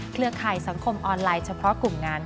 เครือข่ายสังคมออนไลน์เฉพาะกลุ่มงาน